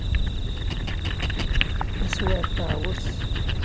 Taswiεt teεweṣ.